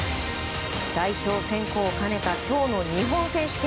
代表選考を兼ねた今日の日本選手権。